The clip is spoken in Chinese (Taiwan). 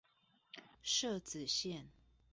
社子線